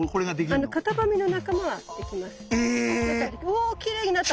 おっきれいになった！